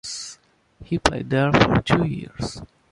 He played there for two years.